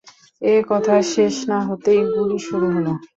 এ কথা শেষ না হতেই গুলি শুরু হলো।